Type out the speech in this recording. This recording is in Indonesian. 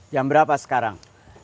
jam berapa sekarang